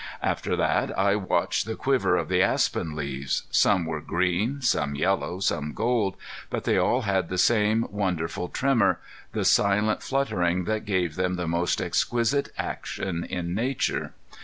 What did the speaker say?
After that I watched the quiver of the aspen leaves. Some were green, some yellow, some gold, but they all had the same wonderful tremor, the silent fluttering that gave them the most exquisite action in nature.